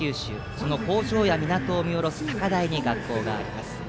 その工場や港を見下ろす高台に学校があります。